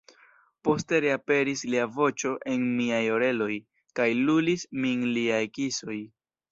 Poste reaperis lia voĉo en miaj oreloj, kaj lulis min liaj kisoj.